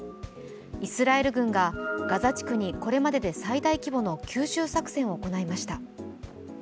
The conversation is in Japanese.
イスラエル軍がガザ地区に、これまでで最大規模の急襲作戦を行いました。